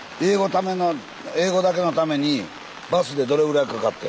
英語だけのためにバスでどれぐらいかかって？